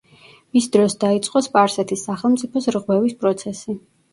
მის დროს დაიწყო სპარსეთის სახელმწიფოს რღვევის პროცესი.